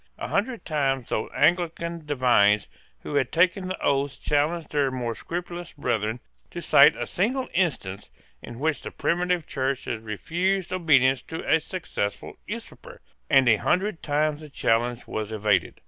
A hundred times those Anglican divines who had taken the oaths challenged their more scrupulous brethren to cite a single instance in which the primitive Church had refused obedience to a successful usurper; and a hundred times the challenge was evaded.